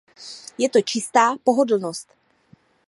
Je to čistá pohodlnost.